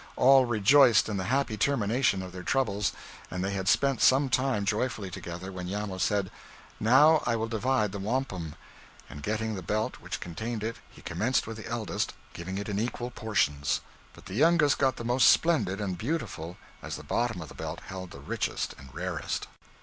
All rejoiced in the happy termination of their troubles, and they had spent some time joyfully together, when Iamo said: 'Now I will divide the wampum,' and getting the belt which contained it, he commenced with the eldest, giving it in equal portions. But the youngest got the most splendid and beautiful, as the bottom of the belt held the richest and rarest.